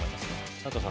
佐藤さん